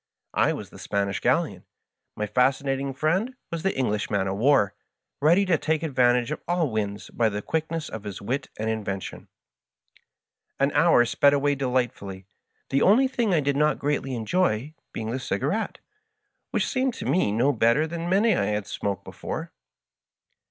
I was the Spanish galleon, my Fas Digitized by VjOOQIC 138 MY FASCINATING FRIEND. cinating Friend was the English man of war, ready " to take advantage of all winds by the quickness of his wit and invention.'^ An hour sped away delightfully, the only thing I did not greatly enjoy being the cigarette, which seemed to me no better than many I had smoked before.